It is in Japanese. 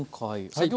はい。